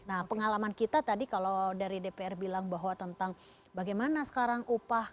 nah pengalaman kita tadi kalau dari dpr bilang bahwa tentang bagaimana sekarang upah